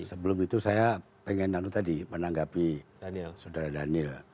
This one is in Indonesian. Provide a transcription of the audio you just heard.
sebelum itu saya pengen lalu tadi menanggapi saudara daniel